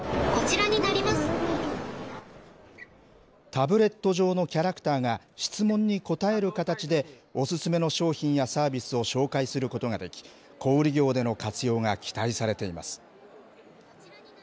タブレット上のキャラクターが質問に答える形で、お勧めの商品やサービスを紹介することができ、小売り業での活用が期待されています。